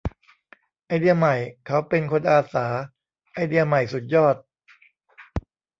ไอเดียใหม่ เขาเป็นคนอาสา ไอเดียใหม่สุดยอด